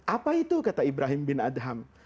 apa itu kata ibrahim bin adham